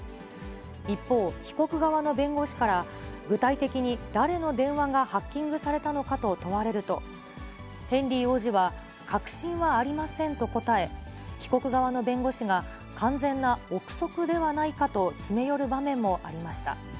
一方、被告側の弁護士から、具体的に誰の電話がハッキングされたのかと問われると、ヘンリー王子は、確信はありませんと答え、被告側の弁護士が、完全な臆測ではないかと詰め寄る場面もありました。